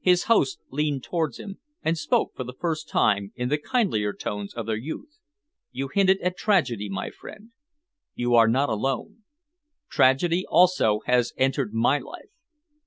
His host leaned towards him and spoke for the first time in the kindlier tones of their youth. "You hinted at tragedy, my friend. You are not alone. Tragedy also has entered my life.